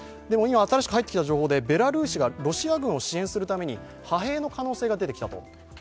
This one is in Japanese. でも今、新しく入ってきた情報で、ベラルーシがロシア軍を支援するために派兵の可能性が出てきたと。